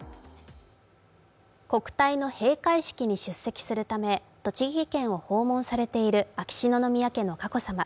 国体の閉会式に出席するため栃木県を訪問されている秋篠宮家の佳子さま。